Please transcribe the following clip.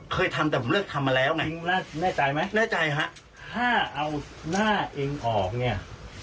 เคยทำแต่ผมเลิกทำมาแล้วไงแน่ใจไหมแน่ใจฮะถ้าเอาหน้าเองออกเนี่ย